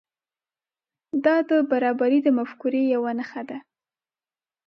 دا د برابري د مفکورې یو نښه ده.